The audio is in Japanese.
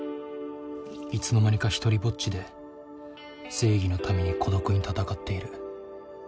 いつの間にか独りぼっちで正義のために孤独に闘っている。